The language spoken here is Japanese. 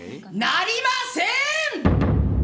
・なりません！